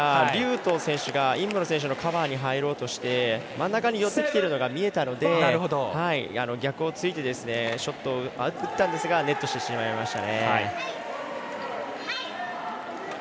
劉禹とう選手が尹夢ろ選手のカバーに入ろうとして真ん中に寄ってきているのが見えてきたので逆をついてショットを打ったんですがネットしてしまいました。